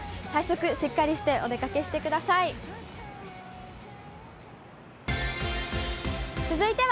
対策、しっかりしてお出かけしてください。